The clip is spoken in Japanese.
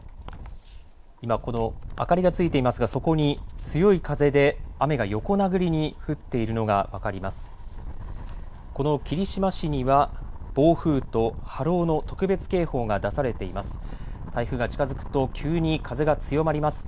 今この明かりがついていますがそこに強い風で、雨が横殴りに降っているのが分かります。